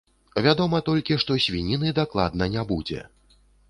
Вядома толькі, што свініны дакладна не будзе.